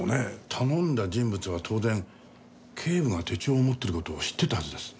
頼んだ人物は当然警部が手帳を持ってる事を知ってたはずです。